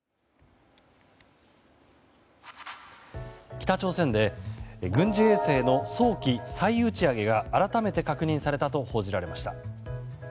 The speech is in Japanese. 北朝鮮で軍事衛星の早期再打ち上げが改めて確認されたと報じられました。